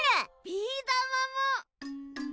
ビーだまも！